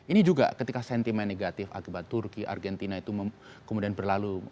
ini juga ketika sentimen negatif akibat turki argentina itu kemudian berlalu